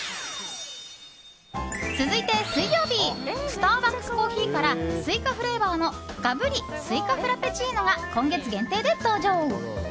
続いて水曜日スターバックスコーヒーからスイカフレーバーのＧＡＢＵＲＩスイカフラペチーノが今月限定で登場。